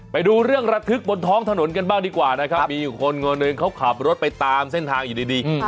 ไปดูเรื่องระทึกบนท้องถนนกันบ้างดีกว่านะครับมีคนคนหนึ่งเขาขับรถไปตามเส้นทางอยู่ดี